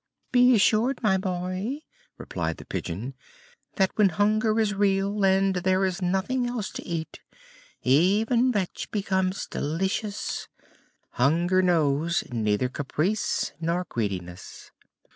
"Be assured, my boy," replied the Pigeon, "that when hunger is real, and there is nothing else to eat, even vetch becomes delicious. Hunger knows neither caprice nor greediness."